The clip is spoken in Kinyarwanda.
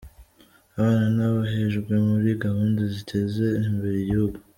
Abana ntibahejwe muri gahunda ziteza imbere igihugu